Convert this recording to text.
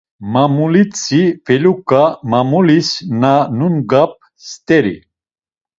"Mamulitzi feluǩa" mamulis na nungap steri.